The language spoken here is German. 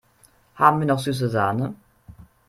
Haben wir noch süße Sahne?